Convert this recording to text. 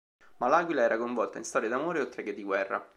Ma l'aquila era coinvolta in storie d'amore oltre che di guerra.